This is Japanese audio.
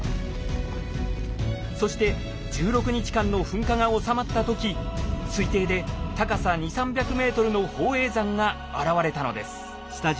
そして１６日間の噴火がおさまった時推定で高さ２００３００ｍの宝永山が現れたのです。